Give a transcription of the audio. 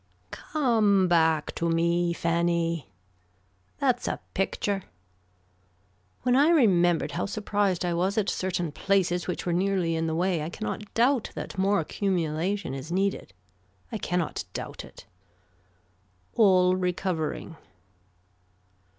Come back to me Fanny. That's a picture. When I remembered how surprised I was at certain places which were nearly in the way I cannot doubt that more accumulation is needed. I cannot doubt it. All recovering.